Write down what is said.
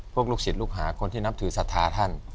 พวกลูกศิษย์ลูกหาคนที่นับถือสถาท่าน